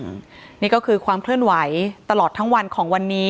นี่ก็คือความเคลื่อนไหวตลอดทั้งวันของวันนี้